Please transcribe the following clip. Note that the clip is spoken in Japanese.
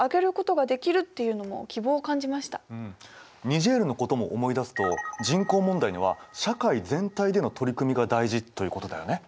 ニジェールのことも思い出すと人口問題では社会全体での取り組みが大事ということだよね。